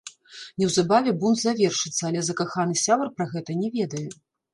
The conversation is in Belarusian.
Неўзабаве бунт завершыцца, але закаханы сябар пра гэта не ведае.